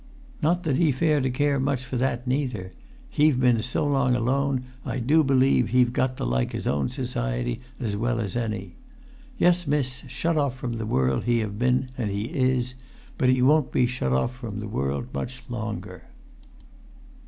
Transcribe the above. Not that he fare to care much for that, neither; he've been so long alone, I do believe he've got to like his own society as well as any. Yes, miss, shut off from the world he have been and he is; but he won't be shut off from the world much longer!"